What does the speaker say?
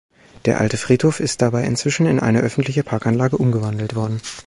Der alte Friedhof ist dabei inzwischen in eine öffentliche Parkanlage umgewandelt worden.